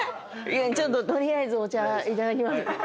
ちょっと取りあえずお茶いただきます。